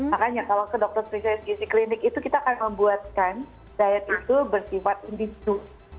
makanya kalau ke dokter spesialis gizi klinik itu kita akan membuatkan diet itu bersifat individu